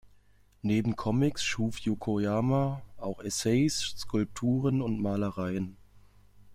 Neben Comics schuf Yokoyama auch Essays, Skulpturen und Malereien.